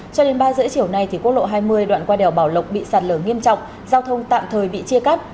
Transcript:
cho đến ba h ba mươi chiều nay quốc lộ hai mươi đoạn qua đèo bảo lộc bị sạt lở nghiêm trọng giao thông tạm thời bị chia cắt